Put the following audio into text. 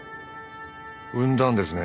産んだんですね